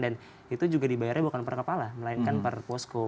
dan itu juga dibayarnya bukan per kepala melainkan per posko